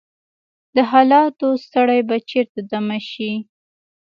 د حالاتو ستړی به چیرته دمه شي؟